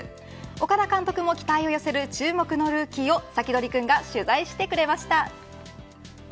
岡田監督も期待をよせる注目のルーキーをサキドリくんが取材してくれました。